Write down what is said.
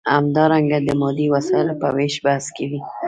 همدارنګه د مادي وسایلو په ویش بحث کوي.